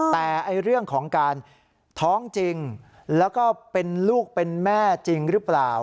แต่เรื่องของการท้องจริงแล้วก็เป็นลูกเป็นแม่จริงหรือเปล่า